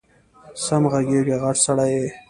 سم غږېږه غټ سړی یې